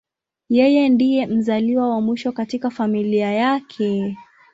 Yeye ndiye mzaliwa wa mwisho katika familia yake.